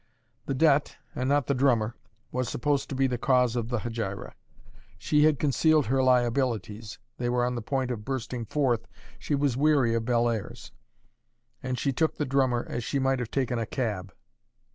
The debt, and not the drummer, was supposed to be the cause of the hegira; she had concealed her liabilities, they were on the point of bursting forth, she was weary of Bellairs; and she took the drummer as she might have taken a cab.